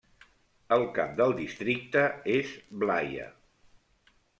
El cap del districte és Blaia.